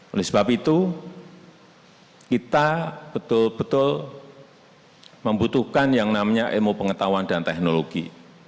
oleh sebab itu kita betul betul membutuhkan yang namanya ilmu pengetahuan dan teknologi